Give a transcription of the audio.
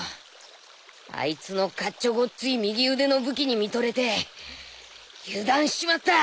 あいつのかっちょごっつい右腕の武器に見とれて油断しちまった。